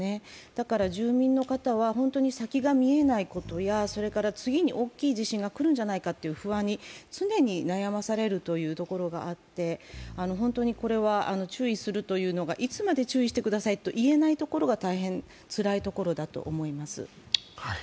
だから住民の方は先が見えないことや次に大きい地震が来るんじゃないかという不安に常に悩まされるということがあって本当にこれは注意するというのがいつまで注意してくださいと言えないところが大変つらいところだと思います。